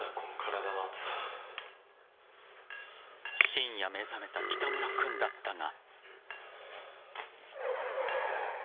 深夜目覚めた北村君だったが。